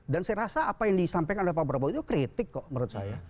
dan saya rasa apa yang disampaikan oleh pak prabowo itu kritik kok menurut saya